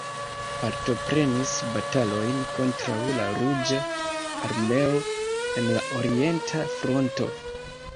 Partoprenis batalojn kontraŭ la Ruĝa Armeo en la orienta fronto.